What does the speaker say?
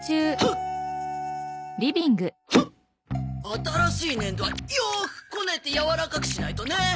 新しい粘土はよーくこねて柔らかくしないとね。